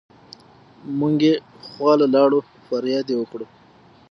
مونږ يې خواله لاړو فرياد يې وکړو